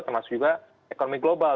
termasuk juga ekonomi global